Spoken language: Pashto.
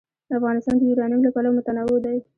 افغانستان د یورانیم له پلوه متنوع دی.